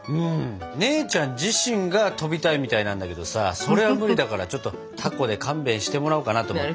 姉ちゃん自身が飛びたいみたいなんだけどさそれは無理だからちょっとたこで勘弁してもらおうかなと思って。